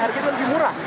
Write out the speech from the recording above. harganya lebih murah